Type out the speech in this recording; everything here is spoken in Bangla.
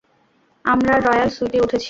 আমরা রয়াল সুইটে উঠেছি।